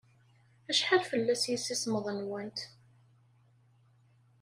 Acḥal fell-as yimsismeḍ-nwent?